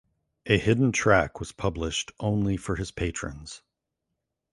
A hidden track was published only for his Patrons.